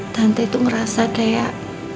tante itu ngerasa kayak